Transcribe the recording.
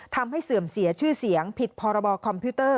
เสื่อมเสียชื่อเสียงผิดพรบคอมพิวเตอร์